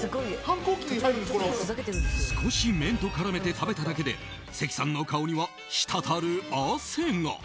少し麺と絡めて食べただけで関さんの顔には滴る汗が。